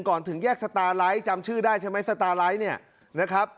ถึงแยกสตาร์ไลท์จำชื่อได้ใช่ไหมสตาไลท์เนี่ยนะครับ